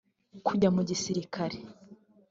kujya mu gisirikare